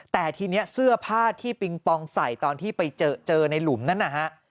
แต่ทีนี้เสื้อผ้าที่ปิงปองใส่ตอนที่ไปเจอในหลุมนั้นนะฮะ